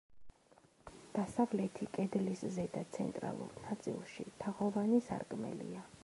დასავლეთი კედლის ზედა, ცენტრალურ ნაწილში თაღოვანი სარკმელია.